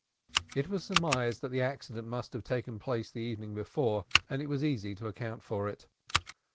It was surmised that the accident must have taken place the evening before, and it was easy to account for it.